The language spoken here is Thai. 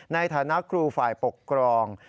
ในฐานะครูฝ่ายปกครอง